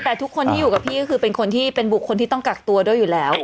แต่ทุกคนที่อยู่กับพี่ก็คือเป็นคนที่เป็นบุคคลที่ต้องกักตัวด้วยอยู่แล้ว